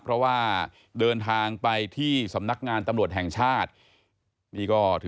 เพราะว่าเดินทางไปที่สำนักงานตำรวจแห่งชาตินี่ก็ถือ